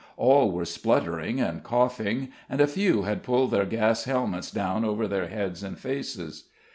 All were spluttering and coughing, and a few had pulled their gas helmets down over their heads and faces.